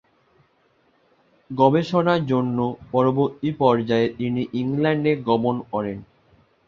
গবেষণার জন্য পরবর্তী পর্যায়ে তিনি ইংল্যান্ডে গমন করেন।